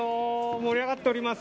盛り上がっております。